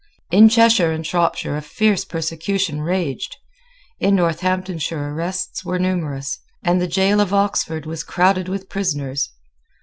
In Cheshire and Shropshire a fierce persecution raged; in Northamptonshire arrests were numerous; and the gaol of Oxford was crowded with prisoners.